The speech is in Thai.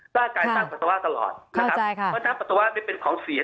ก็การสร้างปัสสาวะตลอดเพราะน้ำปัสสาวะไม่เป็นของเสีย